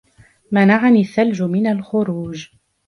منعني الثلج من الخروج.